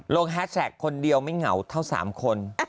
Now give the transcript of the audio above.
แฮชแท็กคนเดียวไม่เหงาเท่า๓คน